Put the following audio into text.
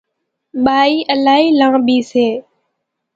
ٻائِي الائِي لانٻِي سي۔